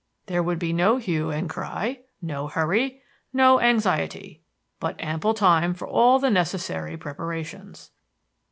There would be no hue and cry, no hurry, no anxiety; but ample time for all the necessary preparations.